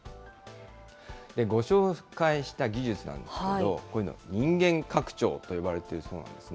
ご紹介した技術なんですけど、こういうの、人間拡張と呼ばれているそうなんですね。